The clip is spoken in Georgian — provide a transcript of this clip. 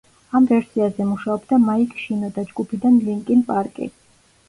ამ ვერსიაზე მუშაობდა მაიკ შინოდა ჯგუფიდან ლინკინ პარკი.